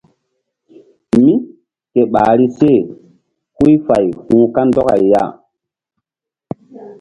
Mí ke ɓahri se huy fay hu̧h kandɔkay ya.